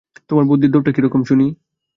তোমার বুদ্ধির দৌড়টা কিরকম শুনি।